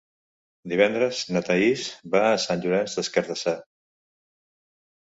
Divendres na Thaís va a Sant Llorenç des Cardassar.